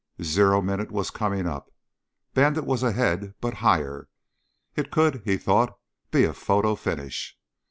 Zero minute was coming up. Bandit was ahead, but higher. It could, he thought, be a photo finish.